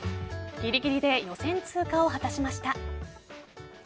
ぎりぎりで予選通過を果たしました。